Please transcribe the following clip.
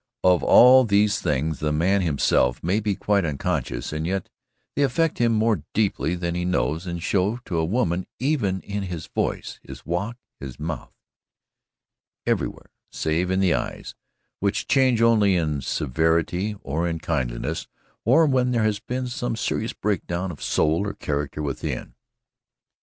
Of all these things the man himself may be quite unconscious and yet they affect him more deeply than he knows and show to a woman even in his voice, his walk, his mouth everywhere save in his eyes, which change only in severity, or in kindliness or when there has been some serious break down of soul or character within.